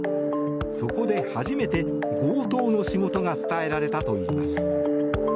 そこで初めて強盗の仕事が伝えられたといいます。